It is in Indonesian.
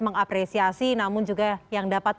mengapresiasi namun juga yang dapat